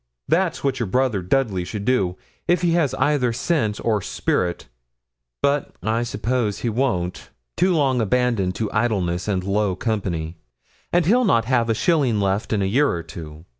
That's what your brother Dudley should do, if he has either sense or spirit; but I suppose he won't too long abandoned to idleness and low company and he'll not have a shilling left in a year or two.